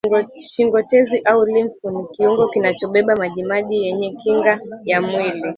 shingo tezi au limfu ni kiungo kinachobeba majimaji yenye kinga ya mwili